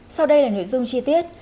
sau đây là nội dung chi tiết